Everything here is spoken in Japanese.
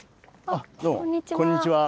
あっどうもこんにちは。